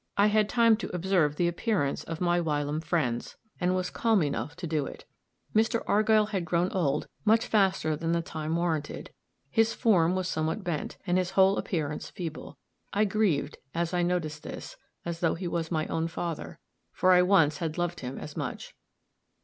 I had time to observe the appearance of my whilom friends, and was calm enough to do it. Mr. Argyll had grown old much faster than the time warranted; his form was somewhat bent, and his whole appearance feeble; I grieved, as I noticed this, as though he was my own father, for I once had loved him as much.